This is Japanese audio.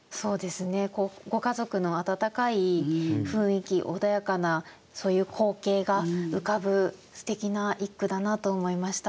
ご家族の温かい雰囲気穏やかなそういう光景が浮かぶすてきな一句だなと思いました。